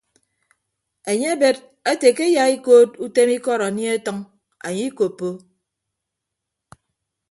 Enye ebed ete ke eyaikood utem ikọd anie atʌñ anye ikoppo.